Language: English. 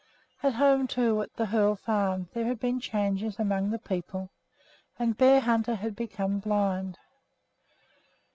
At home, too, at the Hoel Farm, there had been changes among the people, and Bearhunter had become blind.